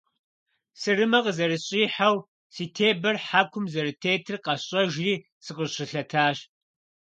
Сырымэ къызэрысщӏихьэу, си тебэр хьэкум зэрытетыр къэсщӏэжри, сыкъыщылъэтащ.